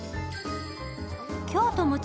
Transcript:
京都もち